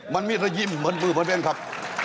มันมีแต่ยิ่มเหมือนมือมันเป็นครับ